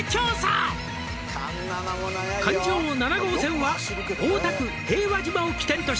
「環状七号線は大田区平和島を起点とし」